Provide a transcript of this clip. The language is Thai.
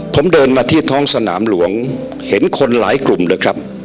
ผมเดินมาที่ท้องสนามหลวงเห็นคนหลายกลุ่มเลยครับ